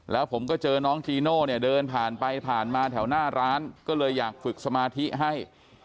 แล้วผมก็เจอน้องจีโน่เนี่ยเดินผ่านไปผ่านมาแถวหน้าร้านก็เลยอยากฝึกสมาธิให้